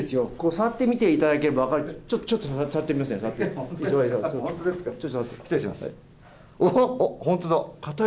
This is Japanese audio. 触ってみていただければ分かる、ちょっと触ってみてください。